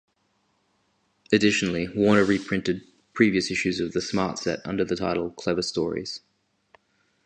Additionally, Warner reprinted previous issues of "The Smart Set" under the title "Clever Stories".